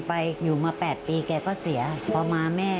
ไปถ้าอยู่ได้๘ปีค่าถึงพวกคุณยายเลย